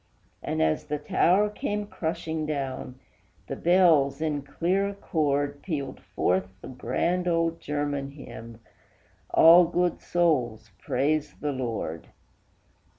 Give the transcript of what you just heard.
And as the tower came crushing down, the bells, in clear accord, Pealed forth the grand old German hymn, "All good souls, praise the Lord!"